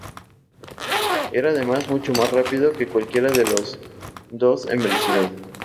Era además mucho más rápido que cualquiera de los dos en velocidad.